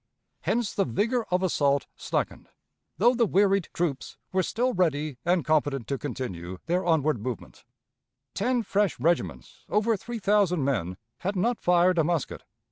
Hence the vigor of assault slackened, though the wearied troops were still ready and competent to continue their onward movement. Ten fresh regiments, over three thousand men, had not fired a musket.